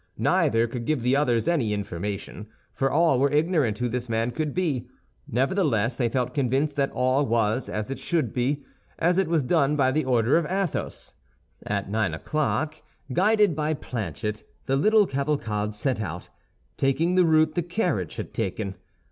Neither could give the others any information, for all were ignorant who this man could be; nevertheless, they felt convinced that all was as it should be, as it was done by the order of Athos. At nine o'clock, guided by Planchet, the little cavalcade set out, taking the route the carriage had taken.